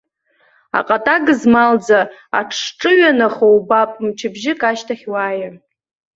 Аҟата гызмалӡа аҽшҿыҩанахо убап мчыбжьык ашьҭахь уааир.